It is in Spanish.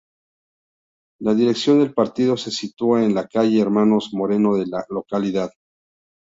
La dirección del partido se sitúa en la Calle hermanos Moreno de la localidad.